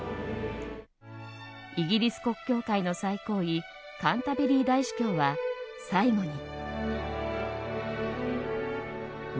イギリス国教会の最高位カンタベリー大主教は最後に。